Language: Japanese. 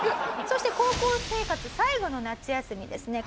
そして高校生活最後の夏休みですね